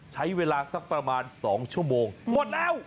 ใช้เวลาสักประมาณ๒ชั่วโมงหมดแล้ว